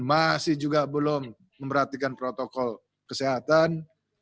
masih juga belum memperhatikan protokol kesehatan